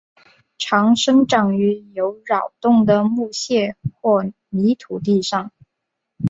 常生长于有扰动的木屑或泥土地上。